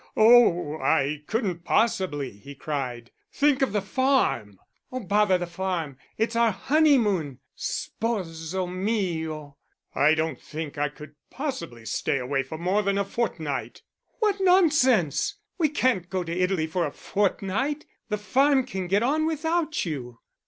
"Oh, I couldn't possibly," he cried. "Think of the farm." "Oh, bother the farm. It's our honeymoon, Sposo mio." "I don't think I could possibly stay away more than a fortnight." "What nonsense! We can't go to Italy for a fortnight. The farm can get on without you."